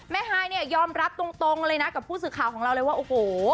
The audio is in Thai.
ฮายเนี่ยยอมรับตรงเลยนะกับผู้สื่อข่าวของเราเลยว่าโอ้โห